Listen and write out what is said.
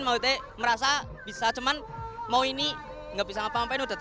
merasa bisa cuma mau ini nggak bisa ngapain sudah terkendalikan